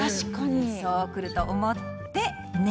そうくると思ってね